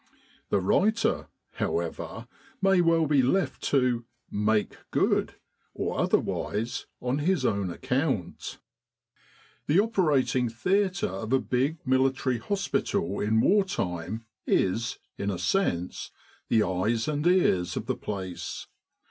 The writer, however, may well be left to "make good," or otherwise, on his own ac count :" The Operating Theatre of a big military hospital in war time is, in a sense, the Eyes and Ears of the place.